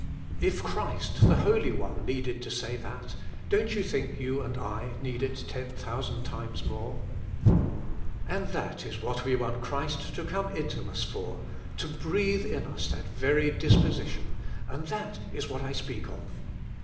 If Christ, the Holy One, needed to say that, don't you think you and I need it ten thousand times more ? And that is what we want Christ to come into us for, to breathe in us that very disposition, and that is what I speak of.